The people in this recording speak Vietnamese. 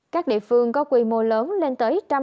các địa phương có quy mô lớn lên tới